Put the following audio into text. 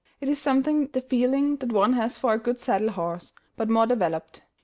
It is something the feeling that one has for a good saddle horse, but more developed.